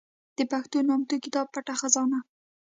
د پښتو نامتو کتاب پټه خزانه